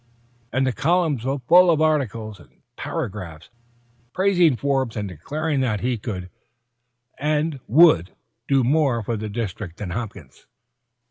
"_ And the columns were full of articles and paragraphs praising Forbes and declaring that he could and would do more for the district than Hopkins.